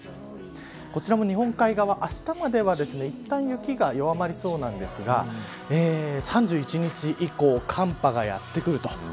こちらも日本海側はあしたまではいったん雪が弱まりそうですが３１日以降、寒波がやってくると。